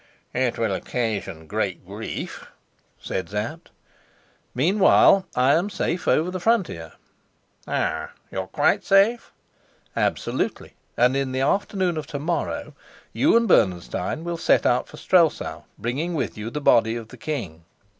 "It will occasion great grief," said Sapt. "Meanwhile, I am safe over the frontier." "Oh, you are quite safe?" "Absolutely. And in the afternoon of to morrow, you and Bernenstein will set out for Strelsau, bringing with you the body of the king."